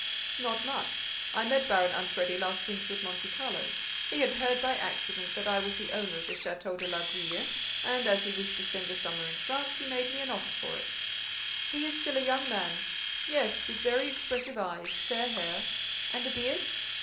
"Not much. I met Baron Anfredi last winter at Monte Carlo. He had heard by accident that I was the owner of the Château de l'Aiguille and, as he wished to spend the summer in France, he made me an offer for it." "He is still a young man—" "Yes, with very expressive eyes, fair hair—" "And a beard?"